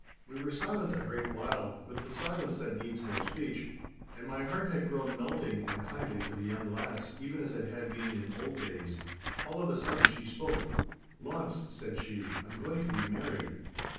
We were silent a great while, with the silence that needs no speech, and my heart had grown melting and kindly to the young lass, even as it had been in old days. All of a sudden she spoke. 'Launce,' said she, 'I'm going to be married!